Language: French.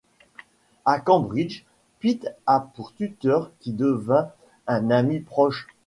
À Cambridge, Pitt a pour tuteur qui devint un ami proche.